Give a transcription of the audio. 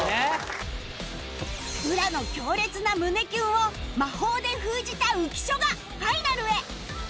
浦の強烈な胸キュンを魔法で封じた浮所がファイナルへ！